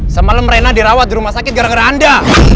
semalam rena dirawat di rumah sakit gara gara anda